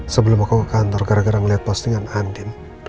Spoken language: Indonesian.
sebelum aku ke kantor gara gara ngeliat postingan andin